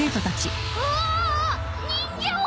人形！